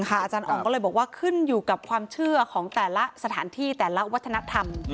อาจารย์อ๋องก็เลยบอกว่าขึ้นอยู่กับความเชื่อของแต่ละสถานที่แต่ละวัฒนธรรม